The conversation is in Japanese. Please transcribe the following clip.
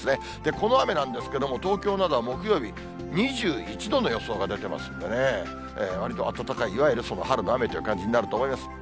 この雨なんですけれども、東京などは木曜日、２１度の予想が出てますんでね、わりと暖かい、いわゆる春の雨という感じになると思います。